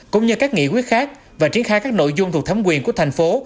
cũng như các nghị quyết khác và triển khai các nội dung thuộc thấm quyền của thành phố